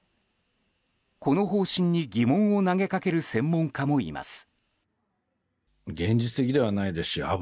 この方針に、疑問を投げかける専門家もいます。